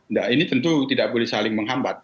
nah ini tentu tidak boleh saling menghambat